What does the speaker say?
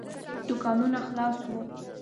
دوکانونه خلاص وو.